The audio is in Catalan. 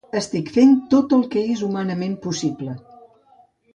Estic fent tot el que és humanament possible.